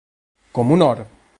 Com un or.